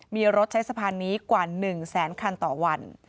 มีรถใช้สะพานนี้กว่า๑แสนคันต่อวัน